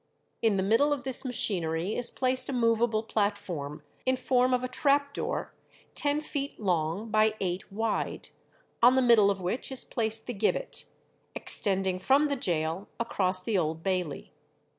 In the middle of this machinery is placed a movable platform, in form of a trap door, ten feet long by eight wide, on the middle of which is placed the gibbet, extending from the gaol across the Old Bailey.